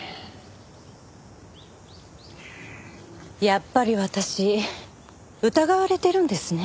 やっぱり私疑われてるんですね。